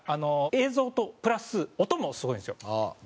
映像とプラス音もすごいんですよ。